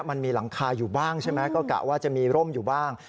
มันมีหลังคาอยู่บ้างใช่ไหมก็กะว่าจะมีร่มอยู่บ้าง